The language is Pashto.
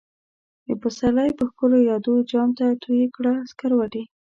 دپسرلی په ښکلو يادو، جام ته تويې کړه سکروټی